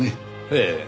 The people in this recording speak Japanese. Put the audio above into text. ええ。